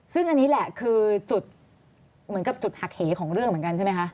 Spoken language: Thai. ซึ่งอันนี้แหละคือจุดหักเหของเรื่องเหมือนกันใช่ไหมคะ